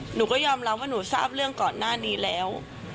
หนูก็ยอมรับว่าหนูทราบเรื่องก่อนหน้านี้แล้ว